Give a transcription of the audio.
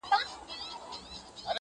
ښکلي نجوني مه پریږدئ